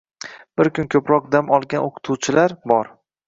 Bir kun ko‘proq dam olgan o‘qituvchilar bor.